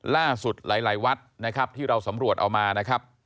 หลายวัดนะครับที่เราสำรวจเอามานะครับ